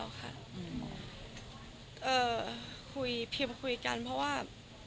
ได้ที่ผมคุยกับคุณแม่กันเดียวค่ะ